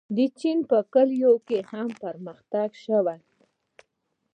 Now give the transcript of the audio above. د چین په کلیو کې هم پرمختګ شوی دی.